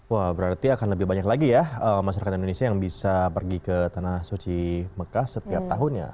wah berarti akan lebih banyak lagi ya masyarakat indonesia yang bisa pergi ke tanah suci mekah setiap tahun ya